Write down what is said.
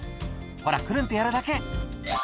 「ほらクルンってやるだけ」